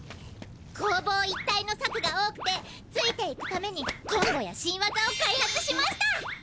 攻防一体の策が多くてついていくためにコンボや新技を開発しました。